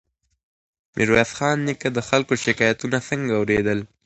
ميرويس خان نيکه د خلګو شکایتونه څنګه اورېدل؟